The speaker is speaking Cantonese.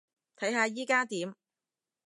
睇下依加點